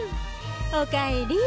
おかえり。